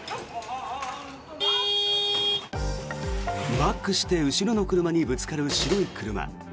バックして後ろの車にぶつかる白い車。